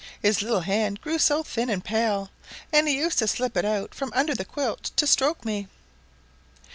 His little hand grew so thin and pale, and he used to slip it out from under the quilt to stroke me."